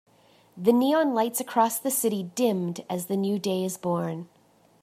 The neon lights across the city dimmed as a new day is born.